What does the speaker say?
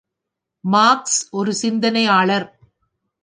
Marks ஒரு சிந்தனையாளர்.